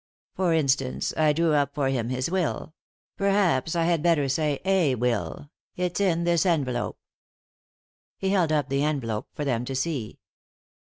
For instance, I drew up for him his will ; perhaps I had better say a will — it's in this envelope." He held up the envelope for them to see.